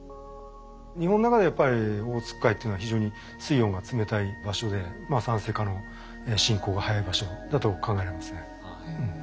日本の中でやっぱりオホーツク海というのは非常に水温が冷たい場所で酸性化の進行が速い場所だと考えられますね。